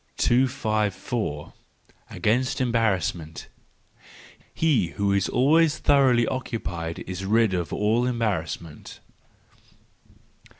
254. Against Embarrassment —He who is always thoroughly occupied is rid of all embarrassment.